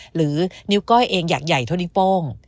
หรือนิ้วก้อยเองอยากใหญ่เท่านิ้วโป้ง